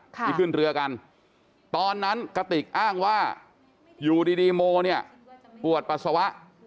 ที่ขึ้นเรือกันตอนนั้นกระติกอ้างว่าอยู่ดีโมเนี่ยปวดปัสสาวะ